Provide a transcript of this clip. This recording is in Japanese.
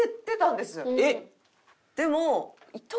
でも。